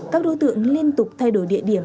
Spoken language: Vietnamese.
các đối tượng liên tục thay đổi địa điểm